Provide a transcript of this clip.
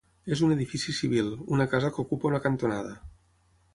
És un edifici civil, una casa que ocupa una cantonada.